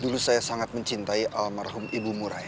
dulu saya sangat mencintai almarhum ibu murai